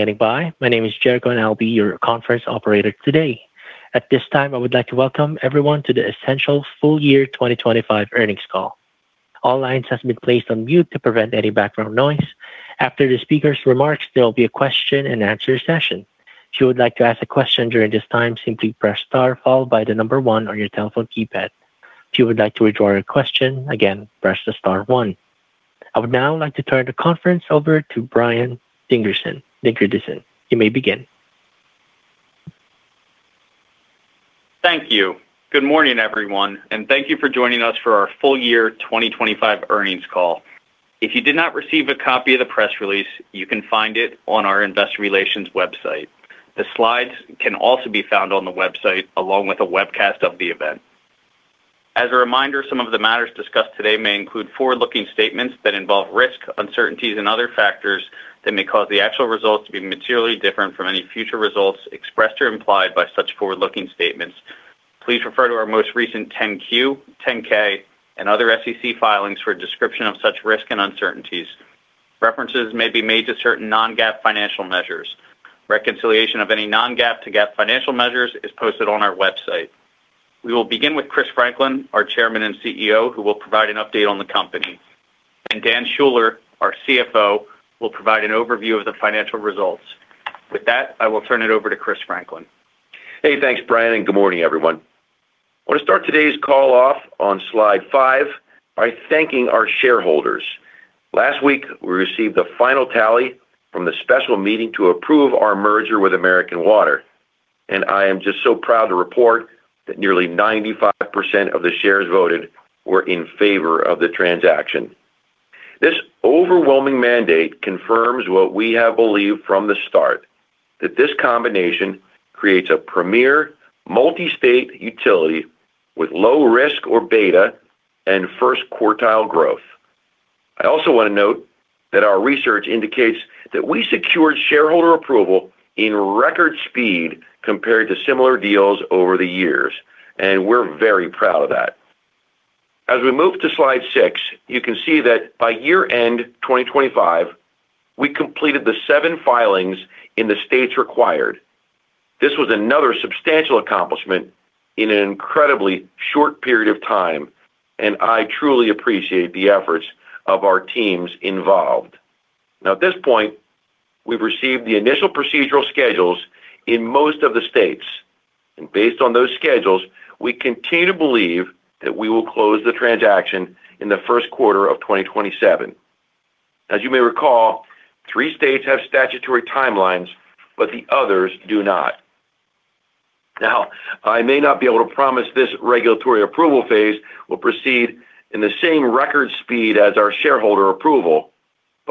Standing by. My name is Jericho, and I'll be your conference operator today. At this time, I would like to welcome everyone to the Essential Full Year 2025 Earnings Call. All lines have been placed on mute to prevent any background noise. After the speaker's remarks, there will be a question-and-answer session. If you would like to ask a question during this time, simply press star followed by the number one on your telephone keypad. If you would like to withdraw your question, again, press the star one. I would now like to turn the conference over to Brian Dingerdissen. You may begin. Thank you. Good morning, everyone, and thank you for joining us for our Full Year 2025 Earnings Call. If you did not receive a copy of the press release, you can find it on our Investor Relations website. The slides can also be found on the website, along with a webcast of the event. As a reminder, some of the matters discussed today may include forward-looking statements that involve risks, uncertainties, and other factors that may cause the actual results to be materially different from any future results expressed or implied by such forward-looking statements. Please refer to our most recent 10-Q, 10-K, and other SEC filings for a description of such risks and uncertainties. References may be made to certain non-GAAP financial measures. Reconciliation of any non-GAAP to GAAP financial measures is posted on our website. We will begin with Chris Franklin, our Chairman and CEO, who will provide an update on the company. Dan Schuller, our CFO, will provide an overview of the financial results. With that, I will turn it over to Chris Franklin. Hey, thanks, Brian, good morning, everyone. I want to start today's call off on slide five by thanking our shareholders. Last week, we received the final tally from the special meeting to approve our merger with American Water. I am just so proud to report that nearly 95% of the shares voted were in favor of the transaction. This overwhelming mandate confirms what we have believed from the start, that this combination creates a premier Multi-State Utility with low risk or beta and first quartile growth. I also want to note that our research indicates that we secured shareholder approval in record speed compared to similar deals over the years. We're very proud of that. As we move to slide six, you can see that by year-end 2025, we completed the seven filings in the states required. This was another substantial accomplishment in an incredibly short period of time. I truly appreciate the efforts of our teams involved. At this point, we've received the initial procedural schedules in most of the states. Based on those schedules, we continue to believe that we will close the transaction in the first quarter of 2027. As you may recall, three states have statutory timelines. The others do not. I may not be able to promise this regulatory approval phase will proceed in the same record speed as our shareholder approval.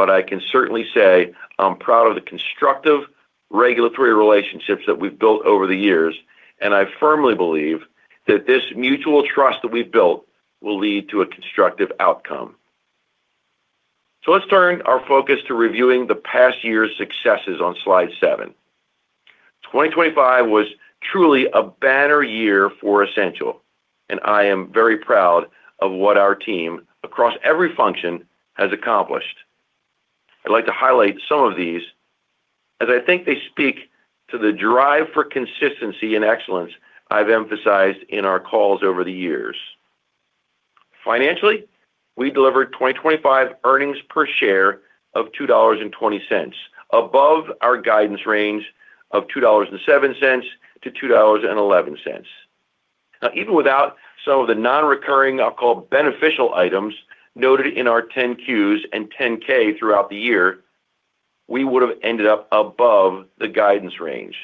I can certainly say I'm proud of the constructive regulatory relationships that we've built over the years. I firmly believe that this mutual trust that we've built will lead to a constructive outcome. Let's turn our focus to reviewing the past year's successes on slide seven. 2025 was truly a banner year for Essential, I am very proud of what our team across every function has accomplished. I'd like to highlight some of these as I think they speak to the drive for consistency and excellence I've emphasized in our calls over the years. Financially, we delivered 2025 earnings per share of $2.20, above our guidance range of $2.07-$2.11. Even without some of the non-recurring, I'll call, beneficial items noted in our 10-Qs and 10-K throughout the year, we would have ended up above the guidance range.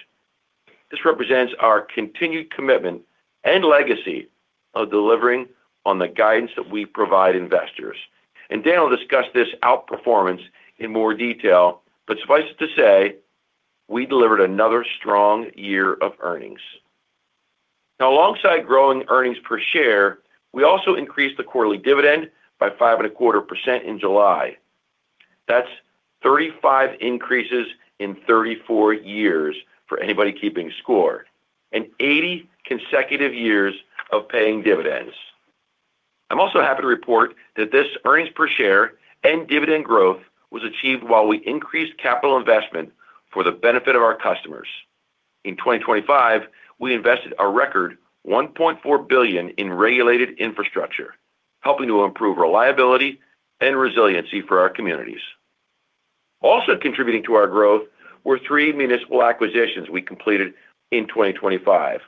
This represents our continued commitment and legacy of delivering on the guidance that we provide investors. Dan will discuss this outperformance in more detail, suffice it to say, we delivered another strong year of earnings. Alongside growing earnings per share, we also increased the quarterly dividend by 5.25% in July. That's 35 increases in 34 years for anybody keeping score, and 80 consecutive years of paying dividends. I'm also happy to report that this earnings per share and dividend growth was achieved while we increased capital investment for the benefit of our customers. In 2025, we invested a record $1.4 billion in regulated infrastructure, helping to improve reliability and resiliency for our communities. Also contributing to our growth were three municipal acquisitions we completed in 2025.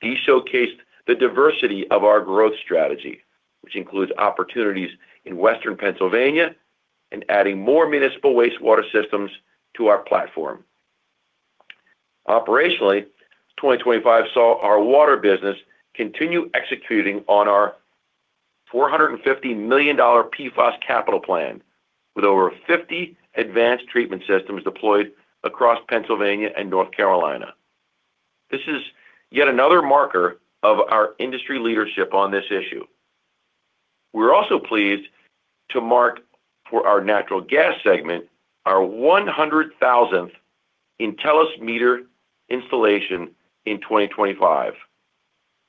These showcased the diversity of our growth strategy, which includes opportunities in Western Pennsylvania and adding more municipal wastewater systems to our platform. Operationally, 2025 saw our water business continue executing on our $450 million PFAS capital plan, with over 50 advanced treatment systems deployed across Pennsylvania and North Carolina. This is yet another marker of our industry leadership on this issue. We're also pleased to mark for our natural gas segment, our 100,000 Intelis meter installation in 2025.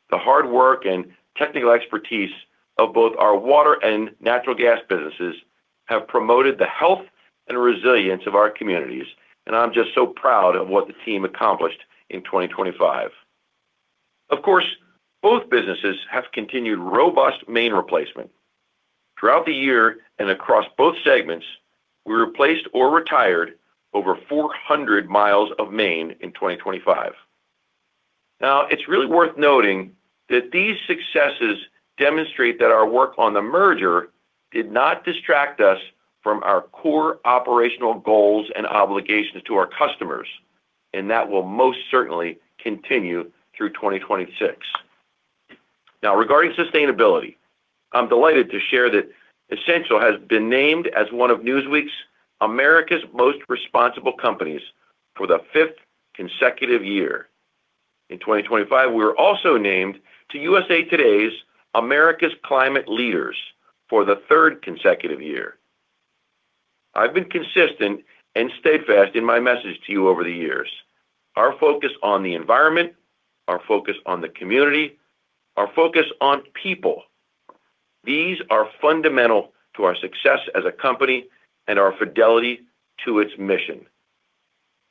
The hard work and technical expertise of both our water and natural gas businesses have promoted the health and resilience of our communities, I'm just so proud of what the team accomplished in 2025. Of course, both businesses have continued robust main replacement. Throughout the year and across both segments, we replaced or retired over 400 miles of main in 2025. It's really worth noting that these successes demonstrate that our work on the merger did not distract us from our core operational goals and obligations to our customers, and that will most certainly continue through 2026. Regarding sustainability, I'm delighted to share that Essential has been named as one of Newsweek's America's Most Responsible Companies for the fifth consecutive year. In 2025, we were also named to USA Today's America's Climate Leaders for the third consecutive year. I've been consistent and steadfast in my message to you over the years. Our focus on the environment, our focus on the community, our focus on people, these are fundamental to our success as a company and our fidelity to its mission.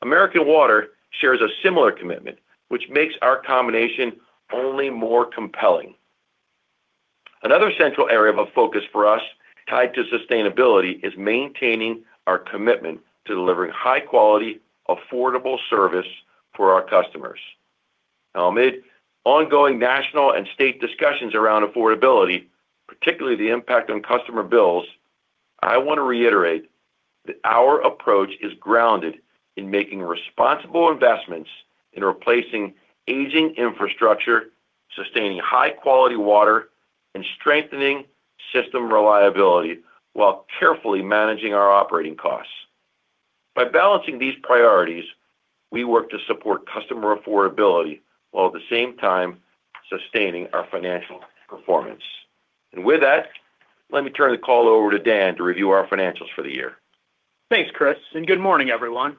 American Water shares a similar commitment, which makes our combination only more compelling. Another central area of a focus for us tied to sustainability is maintaining our commitment to delivering high-quality, affordable service for our customers. Amid ongoing national and state discussions around affordability, particularly the impact on customer bills, I want to reiterate that our approach is grounded in making responsible investments in replacing aging infrastructure, sustaining high-quality water, and strengthening system reliability while carefully managing our operating costs. By balancing these priorities, we work to support customer affordability, while at the same time sustaining our financial performance. Let me turn the call over to Dan to review our financials for the year. Thanks, Chris. Good morning, everyone.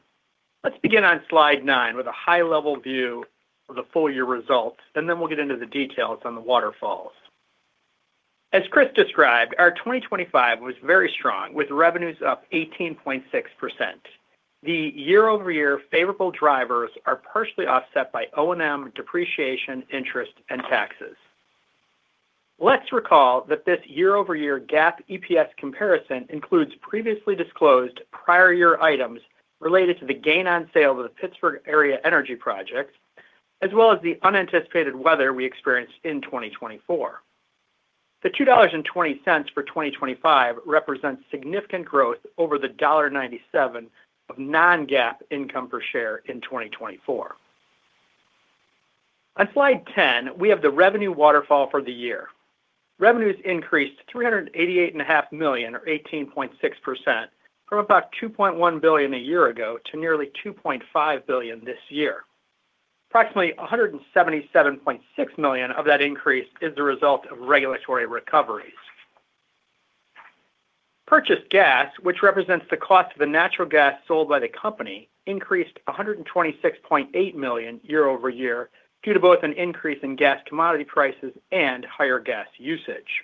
Let's begin on slide nine with a high-level view of the full year results. Then we'll get into the details on the waterfalls. As Chris described, our 2025 was very strong, with revenues up 18.6%. The year-over-year favorable drivers are partially offset by O&M, depreciation, interest, and taxes. Let's recall that this year-over-year GAAP EPS comparison includes previously disclosed prior year items related to the gain on sale of the Pittsburgh area Energy Project, as well as the unanticipated weather we experienced in 2024. The $2.20 for 2025 represents significant growth over the $1.97 of non-GAAP income per share in 2024. On slide 10, we have the revenue waterfall for the year. Revenues increased $388.5 million, or 18.6%, from about $2.1 billion a year ago to nearly $2.5 billion this year. Approximately $177.6 million of that increase is the result of regulatory recoveries. Purchased gas, which represents the cost of the natural gas sold by the company, increased $126.8 million year-over-year, due to both an increase in gas commodity prices and higher gas usage.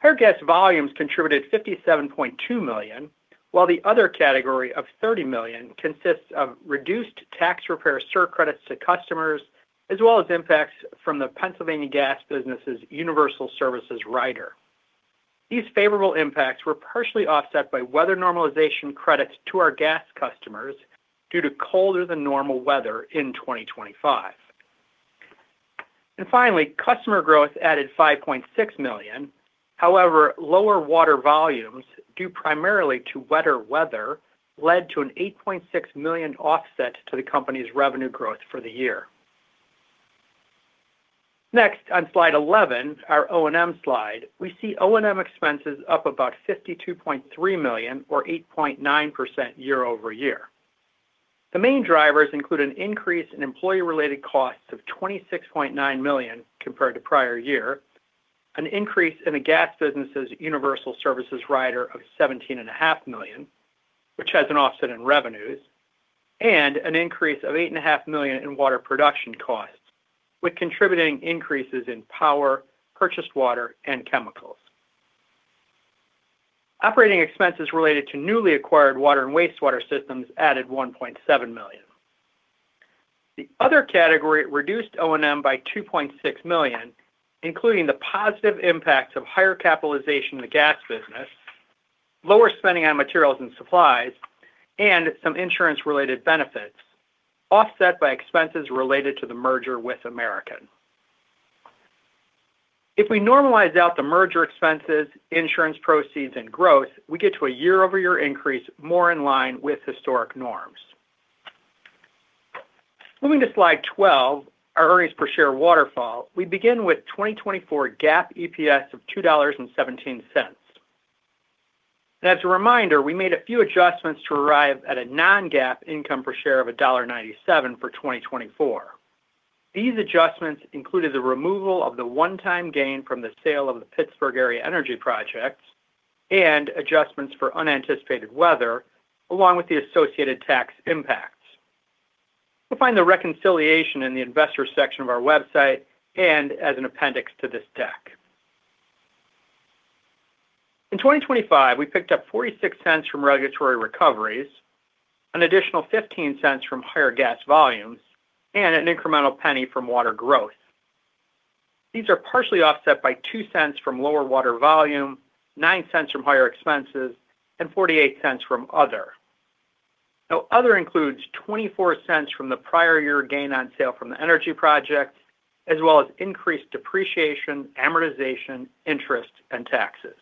Higher gas volumes contributed $57.2 million, while the other category of $30 million consists of reduced tax repair sur credits to customers, as well as impacts from the Pennsylvania gas business's Universal Service rider. These favorable impacts were partially offset by weather normalization credits to our gas customers due to colder than normal weather in 2025. Finally, customer growth added $5.6 million. However, lower water volumes, due primarily to wetter weather, led to an $8.6 million offset to the company's revenue growth for the year. Next, on slide 11, our O&M slide, we see O&M expenses up about $52.3 million or 8.9% year-over-year. The main drivers include an increase in employee-related costs of $26.9 million compared to prior year, an increase in the gas business's Universal Service rider of seventeen and a half million, which has an offset in revenues, and an increase of eight and a half million in water production costs, with contributing increases in power, purchased water, and chemicals. Operating expenses related to newly acquired water and wastewater systems added $1.7 million. The other category reduced O&M by $2.6 million, including the positive impacts of higher capitalization in the gas business, lower spending on materials and supplies, and some insurance-related benefits, offset by expenses related to the merger with American. If we normalize out the merger expenses, insurance proceeds, and growth, we get to a year-over-year increase more in line with historic norms. Moving to slide 12, our earnings per share waterfall, we begin with 2024 GAAP EPS of $2.17. As a reminder, we made a few adjustments to arrive at a non-GAAP income per share of $1.97 for 2024. These adjustments included the removal of the one-time gain from the sale of the Pittsburgh area Energy Project, and adjustments for unanticipated weather, along with the associated tax impacts. You'll find the reconciliation in the investor section of our website and as an appendix to this deck. In 2025, we picked up $0.46 from regulatory recoveries, an additional $0.15 from higher gas volumes, and an incremental $0.01 from water growth. These are partially offset by $0.02 from lower water volume, $0.09 from higher expenses, and $0.48 from other. Now, other includes $0.24 from the prior year gain on sale from the energy project, as well as increased depreciation, amortization, interest, and taxes.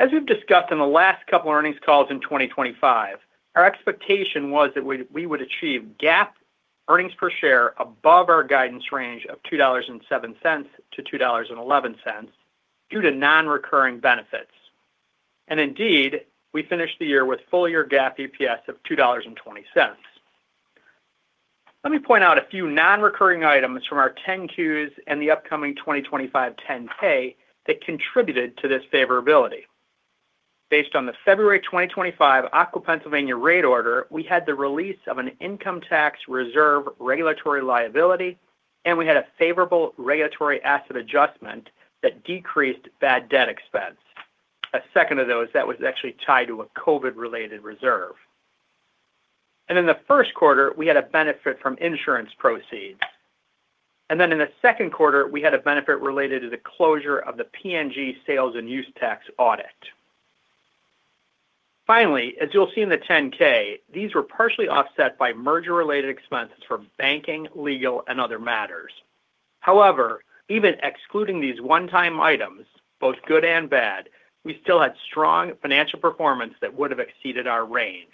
As we've discussed in the last couple of earnings calls in 2025, our expectation was that we would achieve GAAP earnings per share above our guidance range of $2.07-$2.11 due to non-recurring benefits. Indeed, we finished the year with full year GAAP EPS of $2.20. Let me point out a few non-recurring items from our 10-Qs and the upcoming 2025 10-K that contributed to this favorability. Based on the February 2025 Aqua Pennsylvania rate order, we had the release of an income tax reserve regulatory liability. We had a favorable regulatory asset adjustment that decreased bad debt expense. A second of those that was actually tied to a COVID-related reserve. In the first quarter, we had a benefit from insurance proceeds. In the second quarter, we had a benefit related to the closure of the PNG sales and use tax audit. Finally, as you'll see in the 10-K, these were partially offset by merger-related expenses from banking, legal, and other matters. Even excluding these one-time items, both good and bad, we still had strong financial performance that would have exceeded our range.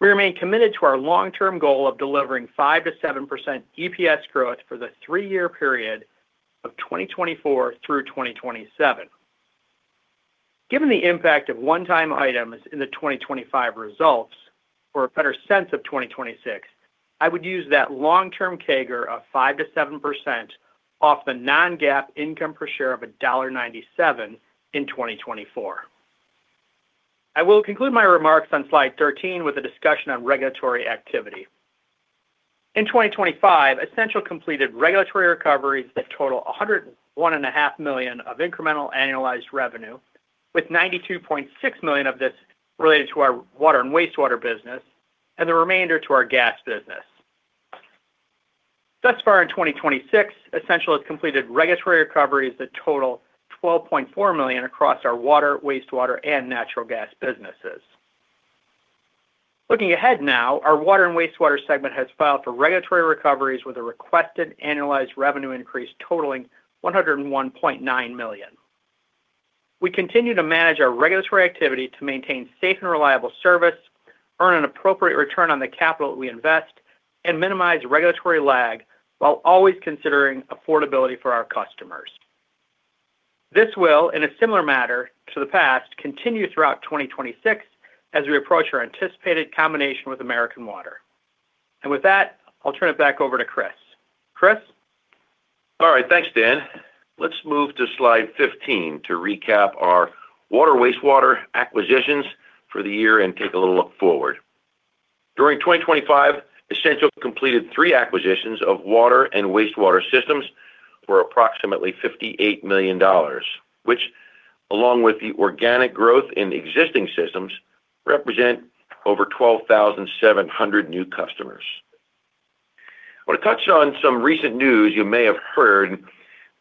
We remain committed to our long-term goal of delivering 5%-7% EPS growth for the three-year period of 2024 through 2027. Given the impact of one-time items in the 2025 results or a better sense of 2026, I would use that long-term CAGR of 5%-7% off the non-GAAP income per share of $1.97 in 2024. I will conclude my remarks on slide 13 with a discussion on regulatory activity. In 2025, Essential completed regulatory recoveries that total $101.5 million of incremental annualized revenue, with $92.6 million of this related to our water and wastewater business, and the remainder to our gas business. Thus far in 2026, Essential has completed regulatory recoveries that total $12.4 million across our water, wastewater, and natural gas businesses. Looking ahead now, our water and wastewater segment has filed for regulatory recoveries with a requested annualized revenue increase totaling $101.9 million. We continue to manage our regulatory activity to maintain safe and reliable service, earn an appropriate return on the capital we invest, and minimize regulatory lag while always considering affordability for our customers. This will, in a similar matter to the past, continue throughout 2026 as we approach our anticipated combination with American Water. With that, I'll turn it back over to Chris. Chris? All right, thanks, Dan. Let's move to slide 15 to recap our water/wastewater acquisitions for the year and take a little look forward. During 2025, Essential completed three acquisitions of water and wastewater systems for approximately $58 million, which, along with the organic growth in existing systems, represent over 12,700 new customers. I want to touch on some recent news you may have heard.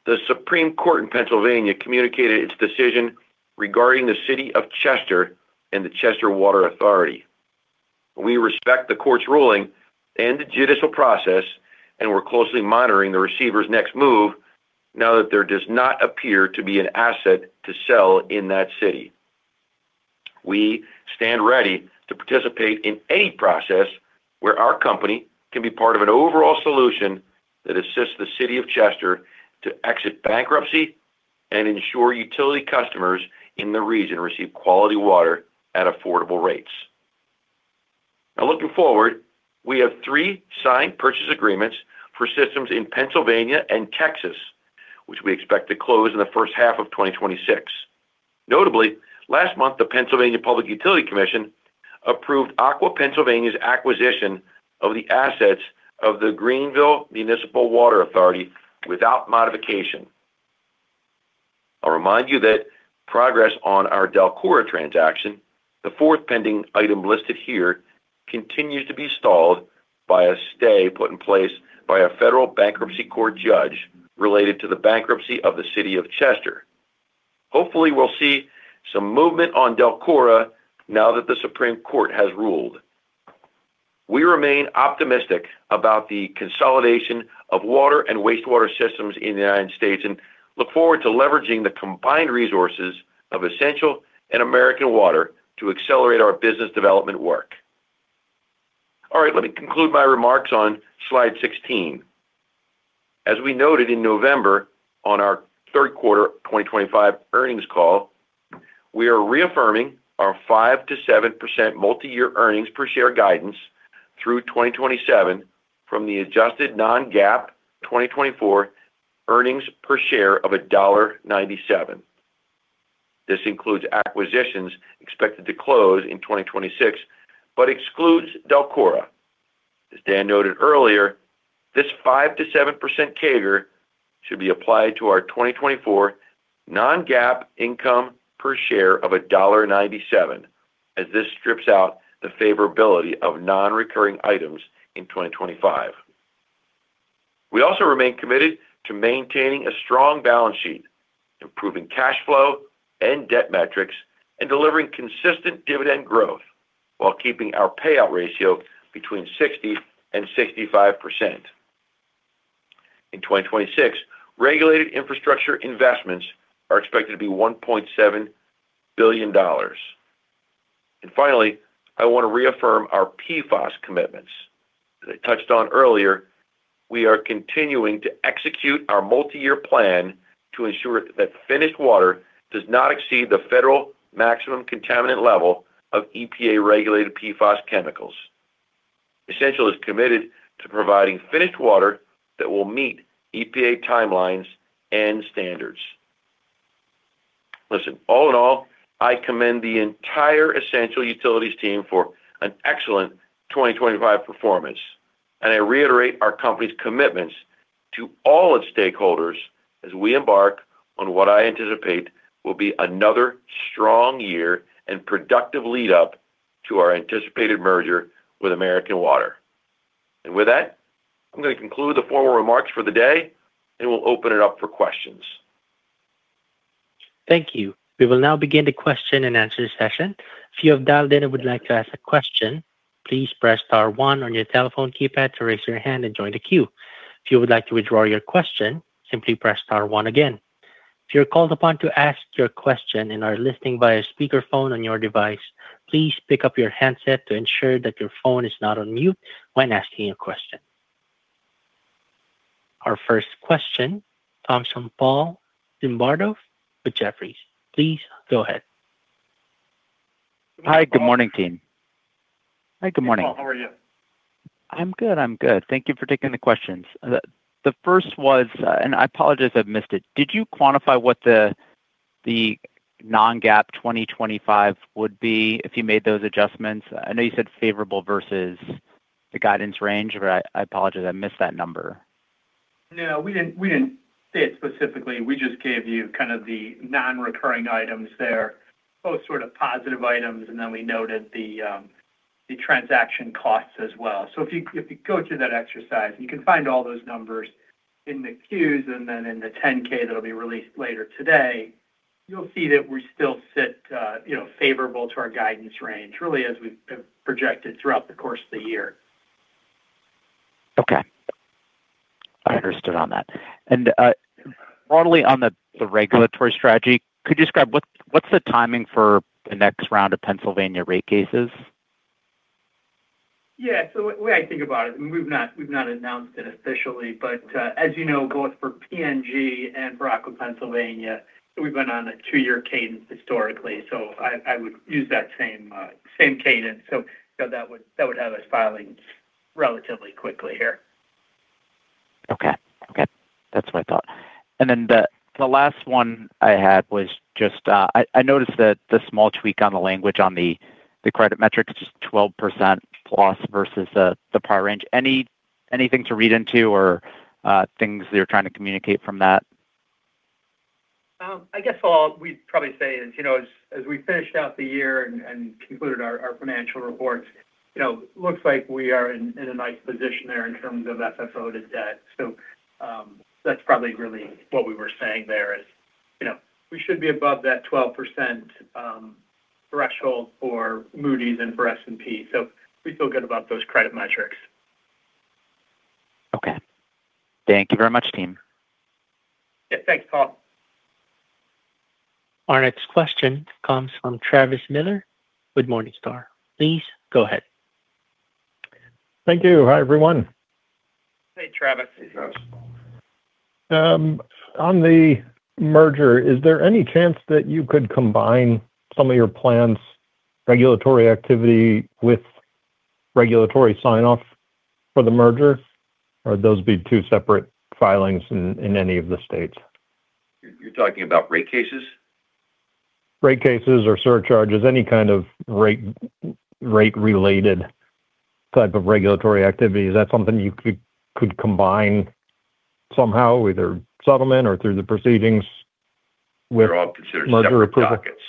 The Supreme Court in Pennsylvania communicated its decision regarding the City of Chester and the Chester Water Authority. We respect the court's ruling and the judicial process, and we're closely monitoring the receiver's next move now that there does not appear to be an asset to sell in that city. We stand ready to participate in any process where our company can be part of an overall solution that assists the City of Chester to exit bankruptcy and ensure utility customers in the region receive quality water at affordable rates. Now, looking forward, we have three signed purchase agreements for systems in Pennsylvania and Texas, which we expect to close in the first half of 2026. Notably, last month, the Pennsylvania Public Utility Commission approved Aqua Pennsylvania's acquisition of the assets of the Greenville Municipal Water Authority without modification. I'll remind you that progress on our DELCORA transaction, the fourth pending item listed here, continues to be stalled by a stay put in place by a federal bankruptcy court judge related to the bankruptcy of the City of Chester. Hopefully, we'll see some movement on DELCORA now that the Supreme Court has ruled. We remain optimistic about the consolidation of water and wastewater systems in the United States and look forward to leveraging the combined resources of Essential Utilities and American Water to accelerate our business development work. All right, let me conclude my remarks on slide 16. As we noted in November on our third quarter 2025 earnings call. We are reaffirming our 5%-7% multi-year earnings per share guidance through 2027 from the adjusted non-GAAP 2024 earnings per share of $1.97. This includes acquisitions expected to close in 2026, but excludes DELCORA. As Dan noted earlier, this 5%-7% CAGR should be applied to our 2024 non-GAAP income per share of $1.97, as this strips out the favorability of non-recurring items in 2025. We also remain committed to maintaining a strong balance sheet, improving cash flow and debt metrics, and delivering consistent dividend growth while keeping our payout ratio between 60% and 65%. In 2026, regulated infrastructure investments are expected to be $1.7 billion. Finally, I want to reaffirm our PFAS commitments. As I touched on earlier, we are continuing to execute our multi-year plan to ensure that finished water does not exceed the federal maximum contaminant level of EPA-regulated PFAS chemicals. Essential is committed to providing finished water that will meet EPA timelines and standards. Listen, all in all, I commend the entire Essential Utilities team for an excellent 2025 performance, and I reiterate our company's commitments to all its stakeholders as we embark on what I anticipate will be another strong year and productive lead up to our anticipated merger with American Water. With that, I'm going to conclude the formal remarks for the day, and we'll open it up for questions. Thank you. We will now begin the question and answer session. If you have dialed in and would like to ask a question, please press star one on your telephone keypad to raise your hand and join the queue. If you would like to withdraw your question, simply press star one again. If you're called upon to ask your question and are listening via speakerphone on your device, please pick up your handset to ensure that your phone is not on mute when asking a question. Our first question comes from Paul Zimbardo with Jefferies. Please go ahead. Hi. Good morning, team. Hi, good morning. How are you? I'm good, I'm good. Thank you for taking the questions. The first was, and I apologize if I've missed it, did you quantify what the non-GAAP 2025 would be if you made those adjustments? I know you said favorable versus the guidance range, but I apologize I missed that number. We didn't say it specifically. We just gave you kind of the non-recurring items there, both sort of positive items, and then we noted the transaction costs as well. If you go through that exercise, you can find all those numbers in the 10-Qs and then in the 10-K that'll be released later today, you'll see that we still sit, you know, favorable to our guidance range, really, as we've projected throughout the course of the year. Okay. I understood on that. Broadly on the regulatory strategy, could you describe what's the timing for the next round of Pennsylvania rate cases? The way I think about it, and we've not, we've not announced it officially, but, as you know, both for PNG and Rockland, Pennsylvania, we've been on a two-year cadence historically, I would use that same cadence. That would have us filing relatively quickly here. Okay, that's what I thought. The last one I had was just, I noticed that the small tweak on the language on the credit metrics, just 12% plus versus the par range. Anything to read into or things that you're trying to communicate from that? I guess all we'd probably say is, you know, as we finished out the year and concluded our financial reports, you know, looks like we are in a nice position there in terms of FFO to debt. That's probably really what we were saying there is, you know, we should be above that 12% threshold for Moody's and for S&P. We feel good about those credit metrics. Okay. Thank you very much, team. Yeah, thanks, Paul. Our next question comes from Travis Miller with Morningstar. Please go ahead. Thank you. Hi, everyone. Hey, Travis. Hey, Travis. On the merger, is there any chance that you could combine some of your plans, regulatory activity with regulatory sign-off for the merger, or those be two separate filings in any of the states? You're talking about rate cases? Rate cases or surcharges, any kind of rate-related type of regulatory activity. Is that something you could combine somehow, either settlement or through the proceedings? They're all considered separate dockets.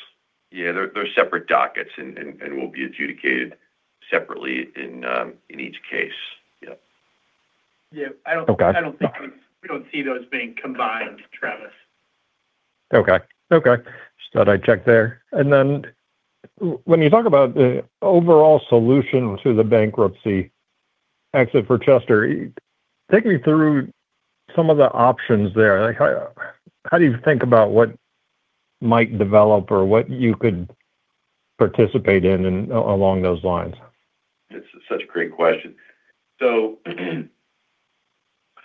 They're separate dockets and will be adjudicated separately in each case. Yeah. Okay. Yeah. I don't see those being combined, Travis. Okay. Okay. Just thought I'd check there. When you talk about the overall solution to the bankruptcy exit for Chester, take me through some of the options there. Like, how do you think about what might develop or what you could participate in and along those lines? It's such a great question. Now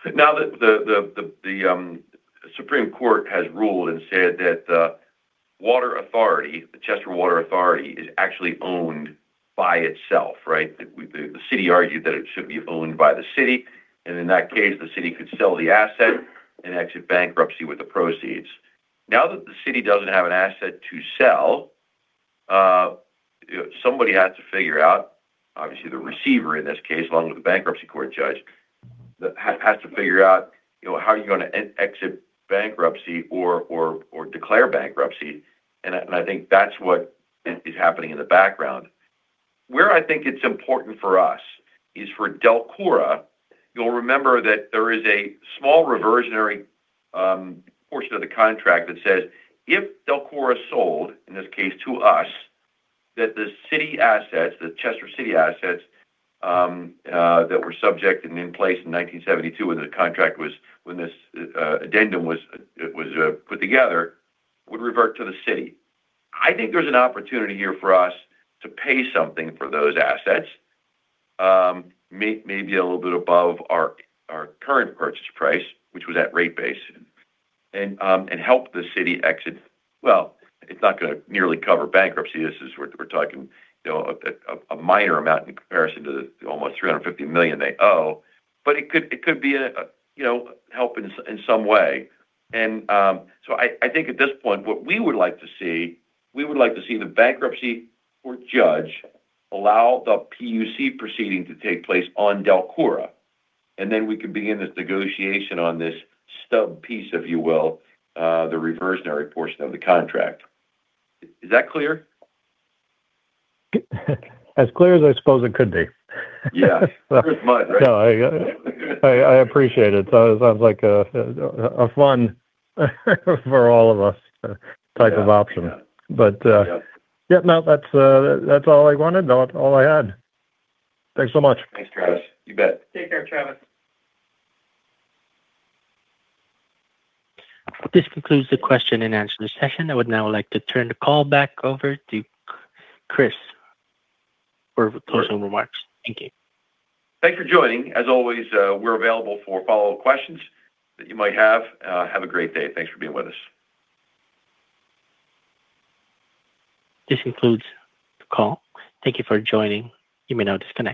that the Supreme Court has ruled and said that the Water Authority, the Chester Water Authority, is actually owned by itself, right? The City argued that it should be owned by the City, and in that case, the City could sell the asset and exit bankruptcy with the proceeds. Now that the City doesn't have an asset to sell, somebody had to figure out, obviously, the receiver in this case, along with the bankruptcy court judge, has to figure out, you know, how are you gonna exit bankruptcy or declare bankruptcy, and I think that's what is happening in the background. Where I think it's important for us is for DELCORA, you'll remember that there is a small reversionary portion of the contract that says, if DELCORA sold, in this case, to us, that the city assets, the Chester City assets, that were subject and in place in 1972, when this addendum was put together, would revert to the City. I think there's an opportunity here for us to pay something for those assets, maybe a little bit above our current purchase price, which was at rate base, and help the City exit. It's not gonna nearly cover bankruptcy. This is where we're talking, you know, a minor amount in comparison to the almost $350 million they owe, but it could be a, you know, help in some, in some way. I think at this point, what we would like to see, we would like to see the bankruptcy court judge allow the PUC proceeding to take place on DELCORA, then we can begin this negotiation on this stub piece, if you will, the reversionary portion of the contract. Is that clear? As clear as I suppose it could be. Yeah. It was mine, right? No, I appreciate it. It sounds like a fun for all of us type of option. Yeah. But, No, that's all I wanted, all I had. Thanks so much. Thanks, Travis. You bet. Take care, Travis. This concludes the question and answer session. I would now like to turn the call back over to Chris for closing remarks. Thank you. Thanks for joining. As always, we're available for follow-up questions that you might have. Have a great day. Thanks for being with us. This concludes the call. Thank you for joining. You may now disconnect.